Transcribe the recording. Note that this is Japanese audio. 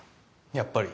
やっぱり。